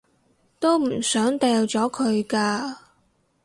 都唔想掉咗佢㗎